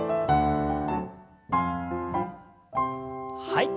はい。